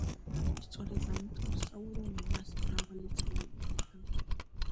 სწორედ ამიტომ საურონი მას მრავალი წელი ეძებდა.